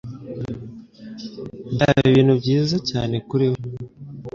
Byari ibintu byiza cyane kuri we.